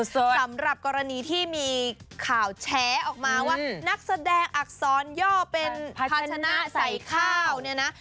สำหรับกรณีที่มีข่าวแฉออกมาว่านักแสดงอักษรย่อเป็นภาชนะใส่ข้าวเนี่ยนะ